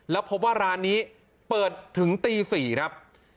แล้วพบว่าร้านนี้เปิดถึงตี๔ครับ